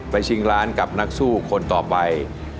ชิงล้านกับนักสู้คนต่อไป